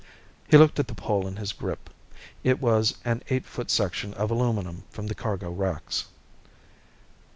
He looked at the pole in his grip. It was an eight foot section of aluminum from the cargo racks.